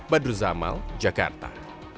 badru zamal jakarta